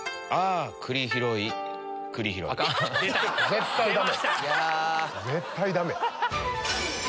絶対ダメ！